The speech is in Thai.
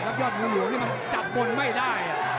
กาดเกมสีแดงเดินแบ่งมูธรุด้วย